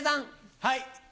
はい。